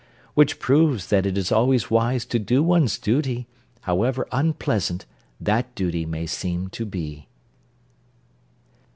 Which proves that it is always wise to do one's duty, however unpleasant that duty may seem to be."